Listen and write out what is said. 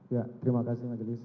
ya terima kasih majelis